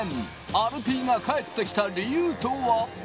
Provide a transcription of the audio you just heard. アルピーが帰ってきた理由とは。